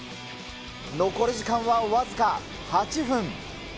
残り時間は僅か８分。